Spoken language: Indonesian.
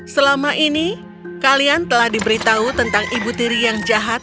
selama ini kalian telah diberitahu tentang ibu tiri yang jahat